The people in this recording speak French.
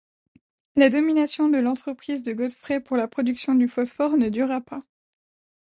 La domination de l'entreprise de Godfrey pour la production du phosphore ne dura pas.